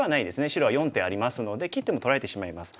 白は４手ありますので切っても取られてしまいます。